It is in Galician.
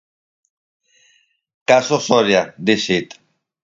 Caso Soria, dixit.